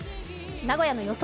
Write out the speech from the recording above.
名古屋の予想